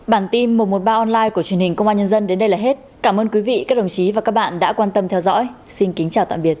bản tin một trăm một mươi ba online của truyền hình công an nhân dân đến đây là hết cảm ơn quý vị các đồng chí và các bạn đã quan tâm theo dõi xin kính chào tạm biệt